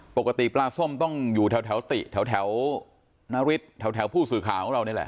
ปกติปลาส้มต้องอยู่แถวติแถวนาริสแถวผู้สื่อข่าวของเรานี่แหละ